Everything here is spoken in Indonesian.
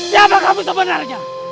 siapa kamu sebenarnya